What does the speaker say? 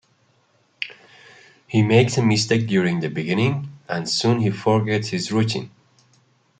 He makes a mistake during the beginning, and soon he forgets his routine.